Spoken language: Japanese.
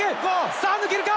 さぁ抜けるか？